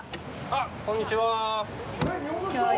あっ、こんにちは。